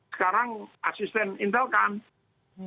sekarang asisten intel camp